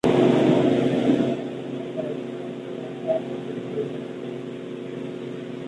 La edición corre a cargo de Chelo Ortega.